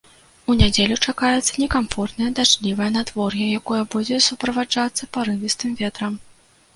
У нядзелю чакаецца некамфортнае дажджлівае надвор'е, якое будзе суправаджацца парывістым ветрам.